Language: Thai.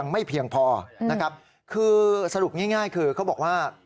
มีเพียงพอสรุปง่ายคือเขาบอกว่า